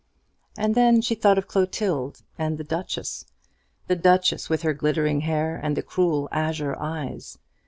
And then she thought of Clotilde and the Duchess, the Duchess with her glittering hair and the cruel azure eyes.